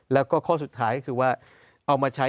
แล้วก็ข้อสุดท้ายคือว่า